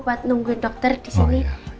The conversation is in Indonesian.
buat nunggu dokter disini